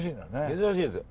珍しいですよ。